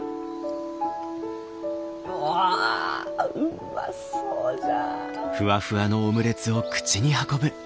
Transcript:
うわうまそうじゃ。